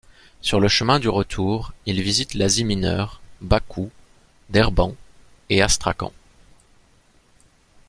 Sur le chemin du retour, il visite l’Asie mineure, Bakou, Derbent et Astrakhan.